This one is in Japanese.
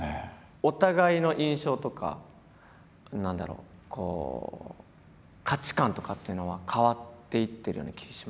お互いの印象とか何だろう価値観とかっていうのは変わっていってるような気します？